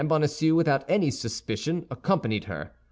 Bonacieux, without any suspicion, accompanied her.